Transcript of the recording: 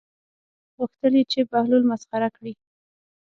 غوښتل یې چې بهلول مسخره کړي.